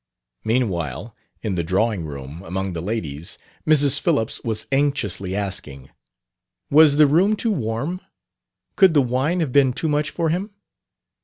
Meanwhile, in the drawing room, among the ladies, Mrs. Phillips was anxiously asking: "Was the room too warm? Could the wine have been too much for him?"